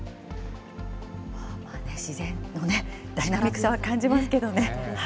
自然のダイナミックさを感じますけどね。